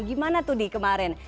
gimana tuh di kemarin